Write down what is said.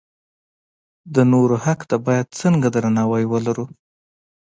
د نورو حق ته باید څنګه درناوی ولرو.